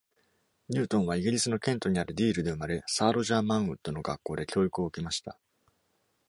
ニュートンはイギリスのケントにあるディールで生まれ、サー・ロジャー・マンウッドの学校で教育を受けました。